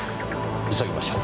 急ぎましょう。